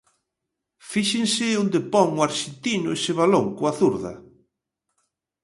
Fíxense onde pon o arxentino ese balón coa zurda.